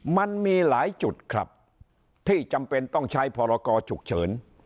มันมีหลายจุดครับที่จำเป็นต้องใช้พรกรฉุกเฉิน